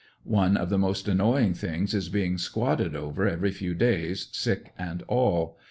One of the most annoying things is being squadded over every few days, sick and all.